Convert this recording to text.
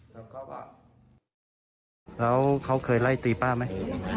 แล้วเขาเคยไล่ตีป้าไหม